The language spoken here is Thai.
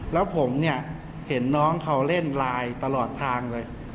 แล้วผมเนี่ยเห็นน้องเขาเล่นไลน์ตลอดทางเลย